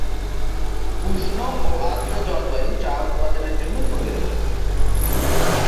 উষ্ণ ও আর্দ্র জলবায়ু চা উৎপাদনের জন্য প্রয়োজন।